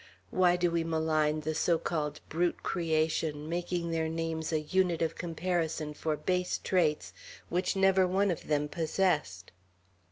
Why do we malign the so called brute creation, making their names a unit of comparison for base traits which never one of them possessed?